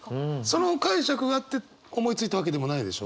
その解釈があって思いついたわけでもないでしょ？